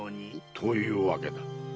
というわけだ。